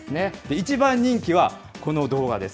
一番人気はこの動画です。